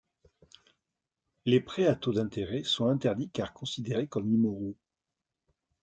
Les prêts à taux d'intérêt sont interdits car considérés comme immoraux.